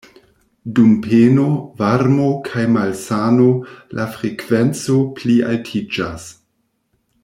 Dum peno, varmo kaj malsano la frekvenco plialtiĝas.